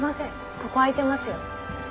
ここ空いてますよ。